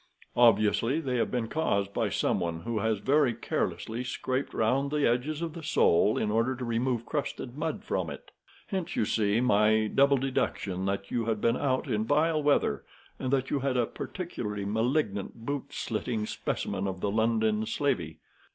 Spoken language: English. Obviously they have been caused by some one who has very carelessly scraped round the edges of the sole in order to remove crusted mud from it. Hence, you see, my double deduction that you had been out in vile weather, and that you had a particularly malignant boot slicking specimen of the London slavey.